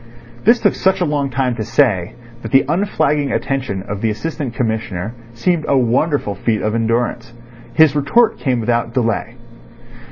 This took such a long time to say that the unflagging attention of the Assistant Commissioner seemed a wonderful feat of endurance. His retort came without delay.